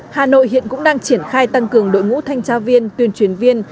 hà nội hiện cũng đang triển khai tăng cường đội ngũ thanh tra viên tuyên truyền viên